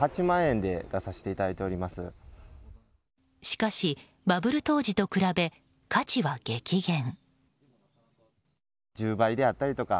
しかし、バブル当時と比べ価値は激減。